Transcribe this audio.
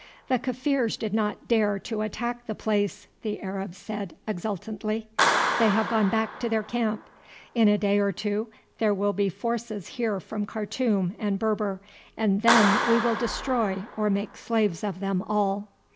"The Kaffirs did not dare to attack the place," the Arab said exultantly. "They have gone back to their camp. In a day or two there will be forces here from Khartoum and Berber, and then we will destroy or make slaves of them all."